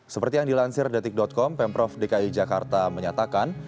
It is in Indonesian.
seperti yang dilansir detik com pemprov dki jakarta menyatakan